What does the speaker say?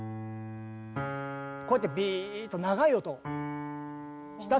こうやってビーッと長い音を。